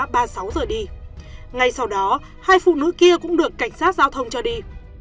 tuấn phỏ má ba mươi sáu rời đi ngay sau đó hai phụ nữ kia cũng được cảnh sát giao thông cho đi